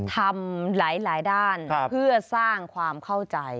ทำหลายด้านเพื่อสร้างความเข้าใจ